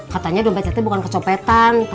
katanya dompet catnya bukan kecopetan